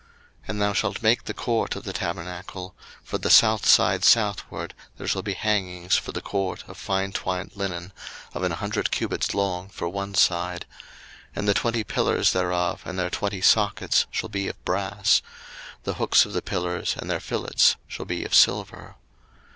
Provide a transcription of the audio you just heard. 02:027:009 And thou shalt make the court of the tabernacle: for the south side southward there shall be hangings for the court of fine twined linen of an hundred cubits long for one side: 02:027:010 And the twenty pillars thereof and their twenty sockets shall be of brass; the hooks of the pillars and their fillets shall be of silver.